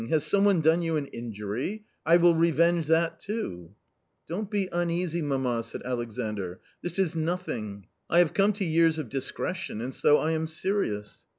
Has someone done you an injury ? I will revenge that too." " Don't be uneasy, mamma," said Alexandr, " this is nothing ! I have come to years of discretion, and so I am serious."